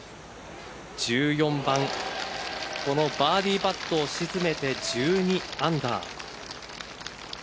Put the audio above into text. １４番このバーディーパットを沈めて１２アンダー。